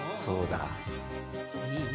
そうだ。